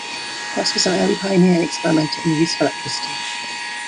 Crosse was an early pioneer and experimenter in the use of electricity.